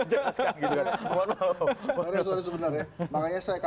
makanya soalnya sebenarnya makanya saya